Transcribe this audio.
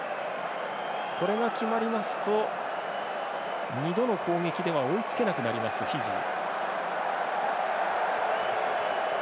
これが決まりますと２度の攻撃では追いつけなくなります、フィジー。